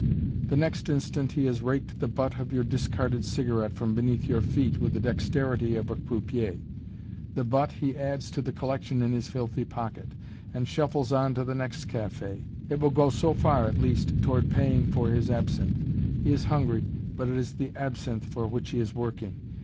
The next instant, he has raked the butt of your discarded cigarette from beneath your feet with the dexterity of a croupier. The butt he adds to the collection in his filthy pocket, and shuffles on to the next café. It will go so far at least toward paying for his absinthe. He is hungry, but it is the absinthe for which he is working.